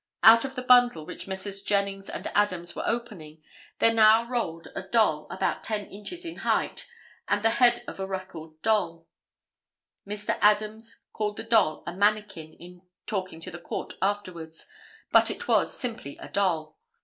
Out of the bundle which Messrs. Jennings and Adams were opening there now rolled a doll about ten inches in height, and the head of a record doll. Mr. Adams called the doll a manikin in talking to the Court afterwards, but it was simply a doll.